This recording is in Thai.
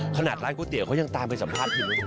ขนาดร้านกูเตี๋ยวเค้ายังตามไปสัมภาษณ์อยู่